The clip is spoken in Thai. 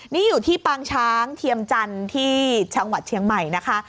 นี่อยู่ที่ปางช้างเทียมจันทร์ที่จังหวัดเชียงใหม่นะคะ